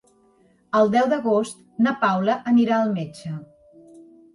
El deu d'agost na Paula anirà al metge.